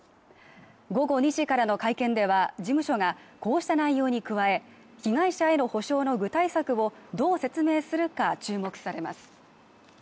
午後２時からの会見では事務所がこうした内容に加え、被害者への補償の具体策をどう説明するか注目されます。